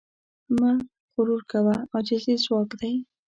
مه غرور کوه، عاجزي ځواک دی.